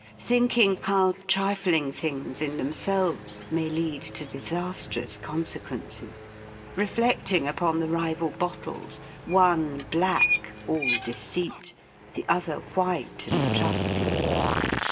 Thinking, how trifling things, in themselves, may lead to disastrous consequences reflecting upon the rival bottles: one black all deceit, the other white and trusty!